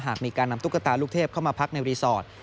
มีการนำตุ๊กตาลูกเทพเข้ามาพักในรีสอร์ท